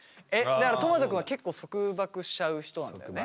とまと君は結構束縛しちゃう人なんだよね？